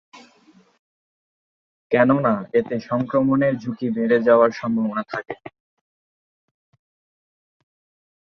কেননা এতে সংক্রমণের ঝুঁকি বেড়ে যাওয়ার সম্ভাবনা থাকে।